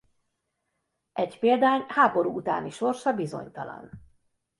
Egy példány háború utáni sorsa bizonytalan.